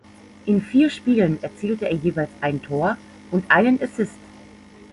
In vier Spielen erzielte er jeweils ein Tor und einen Assist.